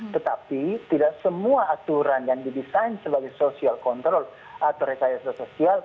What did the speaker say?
tetapi tidak semua aturan yang didesain sebagai social control atau rekayasa sosial